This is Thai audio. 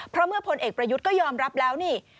เพราะเมื่อพลเอกประยุทธ์ก็ยอมรับแล้วนี่